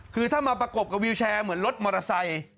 คือถ้ามาประกบกับวิวแชร์เหมือนรถมอเตอร์ไซค์